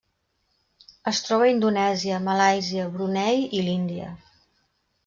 Es troba a Indonèsia, Malàisia, Brunei i l'Índia.